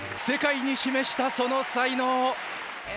世界に示したその才能。